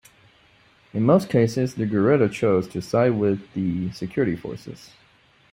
In most cases the guerrilla chose to side with the security forces.